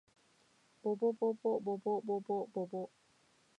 ぼぼぼぼぼぼぼぼぼぼ